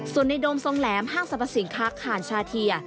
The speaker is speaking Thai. ส่วนในโดมทรงแหลมห้างสรรพสินค้าข่านชาเทีย